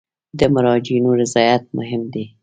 د مراجعینو رضایت مهم دی